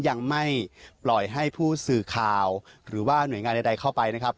ยังไม่ปล่อยให้ผู้สื่อข่าวหรือว่าหน่วยงานใดเข้าไปนะครับ